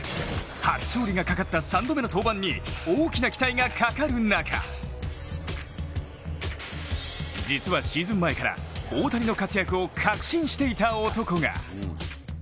初勝利がかかった３度目の登板に大きな期待がかかる中実はシーズン前から大谷の活躍を確信していた男が。